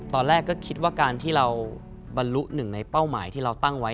ตอนแรกก็คิดว่าการที่เราบรรลุหนึ่งในเป้าหมายที่เราตั้งไว้